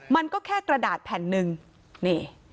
มันก็แค่กระดาษแผ่นหนึ่งนี่